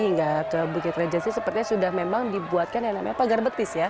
hingga ke bukit rejasi sepertinya sudah memang dibuatkan yang namanya pagar betis ya